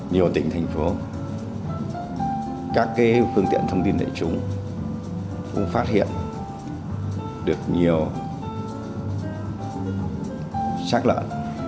nhiều tỉnh thành phố các phương tiện thông tin đại chúng cũng phát hiện được nhiều sắc lợn